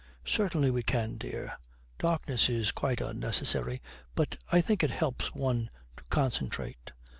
'Certainly we can, dear. Darkness is quite unnecessary, but I think it helps one to concentrate.'